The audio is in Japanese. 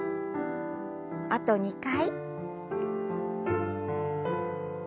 あと２回。